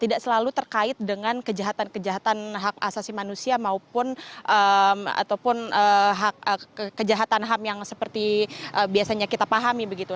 tidak selalu terkait dengan kejahatan kejahatan hak asasi manusia ataupun kejahatan ham yang seperti biasanya kita pahami begitu